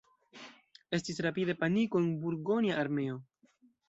Estis rapide paniko en burgonja armeo.